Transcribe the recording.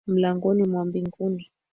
Mlangoni mwa mbinguni.